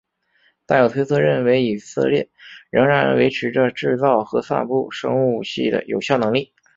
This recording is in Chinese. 但有推测认为以色列仍然维持着制造和散布生物武器的有效能力。